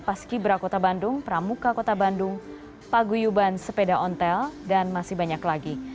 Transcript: paski bera kota bandung pramuka kota bandung paguyuban sepeda ontel dan masih banyak lagi